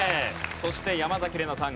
そして山崎怜奈さん。